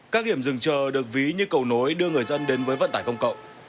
các điểm rừng chờ được ví như cầu nối đưa người dân đến với vận tải công cộng